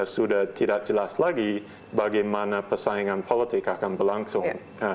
sudah tidak jelas lagi bagaimana persaingan politik akan berlangsung